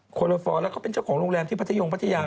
โลฟอร์แล้วก็เป็นเจ้าของโรงแรมที่พัทยงพัทยา